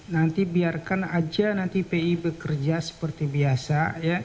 nanti biarkan aja nanti pi bekerja seperti biasa